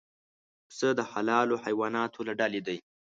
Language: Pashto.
پسه د حلالو حیواناتو له ډلې دی.